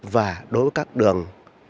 và đối với các đường